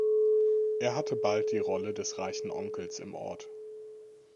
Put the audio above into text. Er hatte bald die Rolle des reichen Onkels im Ort.